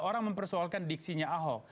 orang mempersoalkan diksinya ahok